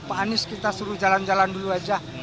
pak anies kita suruh jalan jalan dulu aja